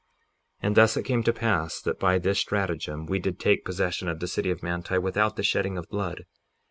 58:28 And thus it came to pass, that by this stratagem we did take possession of the city of Manti without the shedding of blood.